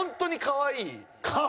かわいい犬！？